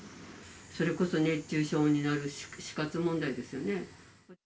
それこそ熱中症になるし、死活問題ですよね。